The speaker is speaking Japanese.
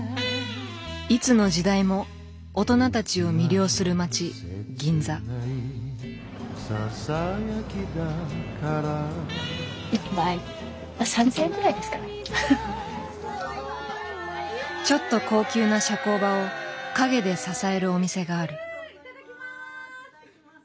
いつの時代も大人たちを魅了する街ちょっと高級な社交場を陰で支えるお店がある。